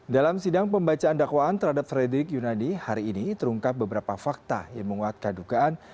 dalam sidang pembacaan dakwaan terhadap frederick yunadi hari ini terungkap beberapa fakta yang menguatkan dugaan